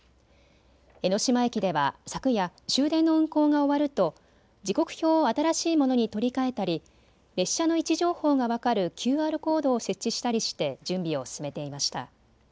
江ノ島駅では昨夜、終電の運行が終わると時刻表を新しいものに取り替えたり列車の位置情報が分かるＱＲコードを設置したりして準備を進めていました。